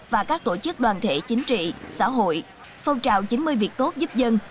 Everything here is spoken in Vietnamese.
và các tổ chức đoàn thể chính trị xã hội phong trào chín mươi việc tốt giúp dân